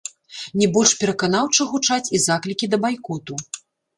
Не больш пераканаўча гучаць і заклікі да байкоту.